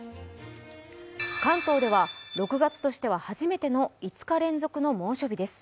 関東では６月としては初めての５日連続の猛暑日です。